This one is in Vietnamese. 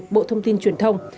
bộ thông tin truyền thông